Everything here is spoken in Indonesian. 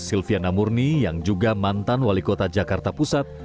silviana murni yang juga mantan wali kota jakarta pusat